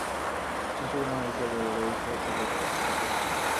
মোতির মা হেসে বললে, এসো তবে তরকারি কুটবে।